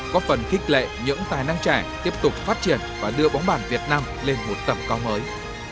có phần khích lệ những tài năng trẻ tiếp tục phát triển và đưa bóng bàn việt nam lên một tầm cao mới